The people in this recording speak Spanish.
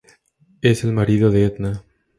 Es el marido de Edna.